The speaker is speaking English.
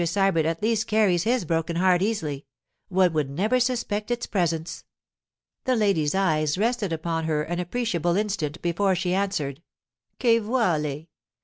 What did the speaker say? Sybert at least carries his broken heart easily. One would never suspect its presence.' The lady's eyes rested upon her an appreciable instant before she answered: '_Che vuole?